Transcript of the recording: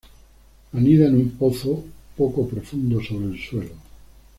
Anida en un pozo poco profundo sobre el suelo.